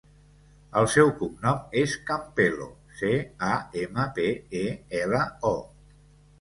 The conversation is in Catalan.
El seu cognom és Campelo: ce, a, ema, pe, e, ela, o.